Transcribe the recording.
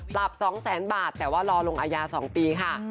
ปรับ๒๐๐๐บาทแต่ว่ารอลงอาญา๒ปีค่ะ